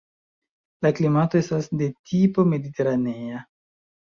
La klimato estas de tipo mediteranea.